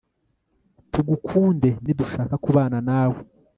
tugukunde, nidushaka kubana nawe